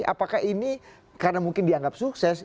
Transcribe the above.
apakah ini karena mungkin dianggap sukses